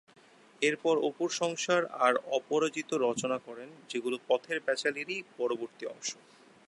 এরপর "অপুর সংসার" আর "অপরাজিত" রচনা করেন, যেগুলো "পথের পাঁচালির"ই পরবর্তী অংশ।